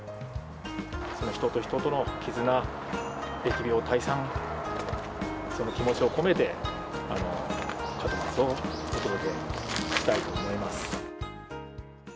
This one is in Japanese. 人と人との絆、疫病退散、その気持ちを込めて、門松をお届けしたいと思います。